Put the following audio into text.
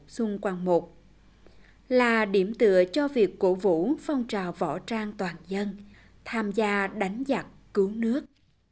xuân quan một là điểm tựa cho việc cổ vũ phong trào võ trang toàn dân tham gia đánh giặc cứu nước